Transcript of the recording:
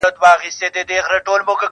د حج پچه کي هم نوم د خان را ووت -